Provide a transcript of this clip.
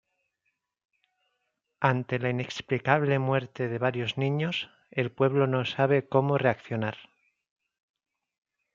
Ante la inexplicable muerte de varios niños, el pueblo no sabe cómo reaccionar.